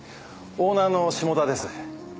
オーナーの志茂田です。